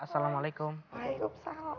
apakah iniuka fashion mustahil insaf